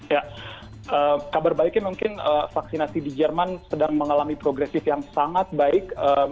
ya kabar baiknya mungkin vaksinasi di jerman sedang mengalami progresif yang sangat baik